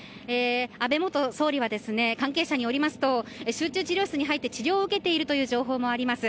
安倍元総理は関係者によりますと集中治療室に入って治療を受けているという情報もあります。